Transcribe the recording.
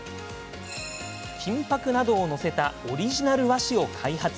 金ぱくなどを載せたオリジナル和紙を開発。